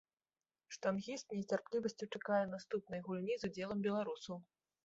Штангіст з нецярплівасцю чакае наступнай гульні з удзелам беларусаў.